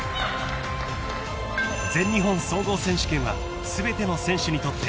［全日本総合選手権は全ての選手にとって］